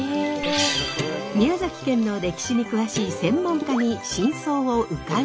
宮崎県の歴史に詳しい専門家に真相を伺うと。